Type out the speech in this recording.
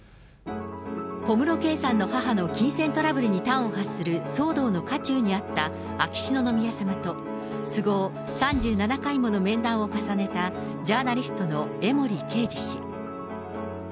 小室圭さんの母の金銭トラブルに端を発する騒動の渦中にあった秋篠宮さまと、都合３７回もの面談を重ねたジャーナリストの江森敬冶氏。